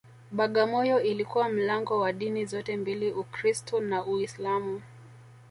Bagamoyo ilikuwa mlango wa dini zote mbili Ukristu na Uislamu